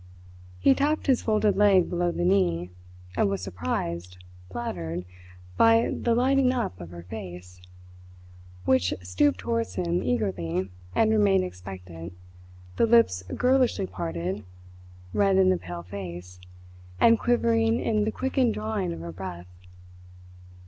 He tapped his folded leg below the knee, and was surprised, flattered, by the lighting up of her face, which stooped towards him eagerly and remained expectant, the lips girlishly parted, red in the pale face, and quivering in the quickened drawing of her breath.